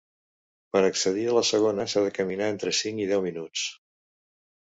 Per accedir a la segona s'ha de caminar entre cinc i deu minuts.